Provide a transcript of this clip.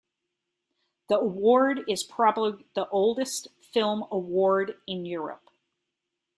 The award is probably the oldest film award in Europe.